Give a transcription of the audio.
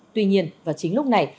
tuy nhiên vào chính lúc này